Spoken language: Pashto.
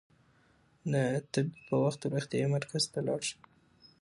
د تبې پر وخت روغتيايي مرکز ته لاړ شئ.